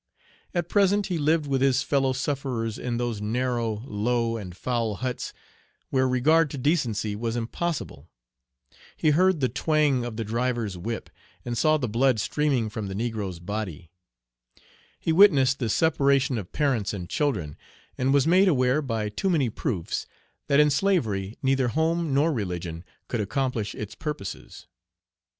At present he lived with his fellow sufferers in those narrow, low, and foul huts where regard to decency was impossible; he heard the twang of the driver's whip, and saw the blood streaming from the negro's body; he witnessed the separation of parents and children, and was made aware, by too many proofs, that in slavery neither home nor religion could accomplish its purposes.